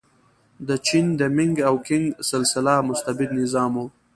د چین د مینګ او کینګ سلسله مستبد نظام و.